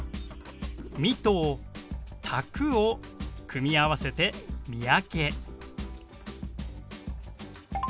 「ミ」と「宅」を組み合わせて「三宅」。